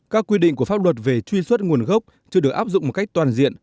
các quy định của pháp luật về truy xuất nguồn gốc chưa được áp dụng một cách toàn diện